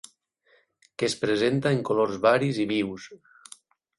Que es presenta en colors varis i vius.